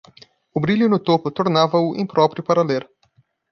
O brilho no topo tornava-o impróprio para ler.